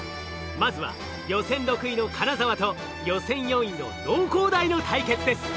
まずは予選６位の金沢と予選４位の農工大の対決です。